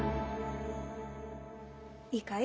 いいかい。